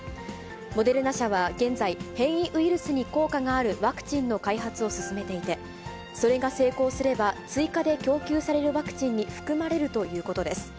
モデルナ社は現在、変異ウイルスに効果があるワクチンの開発を進めていて、それが成功すれば、追加で供給されるワクチンに含まれるということです。